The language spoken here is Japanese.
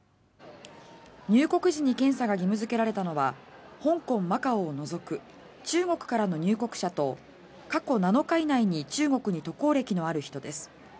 入国時に検査が義務付けられたのは香港、マカオを除く中国からの入国者と過去７日以内に中国に渡航歴のある人です。